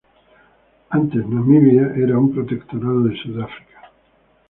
Antes Namibia era un protectorado de Sudáfrica.